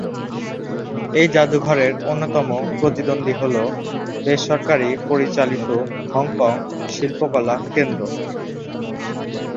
এই জাদুঘরের অন্যতম প্রতিদ্বন্দ্বী হলো বেসরকারী-পরিচালিত হংকং শিল্পকলা কেন্দ্র।